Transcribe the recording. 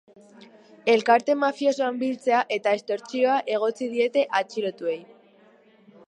Elkarte mafiosoan biltzea eta estortsioa egotzi diete atxilotuei.